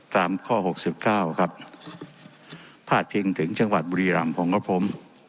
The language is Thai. ตามข้อหกสิบเก้าครับพาดพิงถึงจังหวัดบุรีรำของกับผม